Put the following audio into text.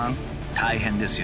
大変ですよ。